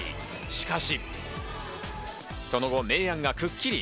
しかし、その後、明暗がくっきり。